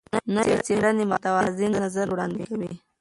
نوې څېړنې متوازن نظر وړاندې کوي.